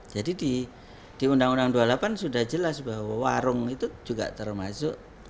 jadi di undang undang no dua puluh delapan sudah jelas bahwa warung itu juga termasuk